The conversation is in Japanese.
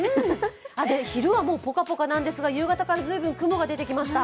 昼はもうポカポカなんですが、夕方から雲が出てきました。